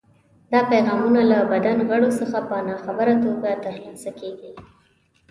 دا پیغامونه له بدن غړو څخه په ناخبره توګه ترلاسه کېږي.